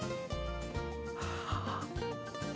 はあ。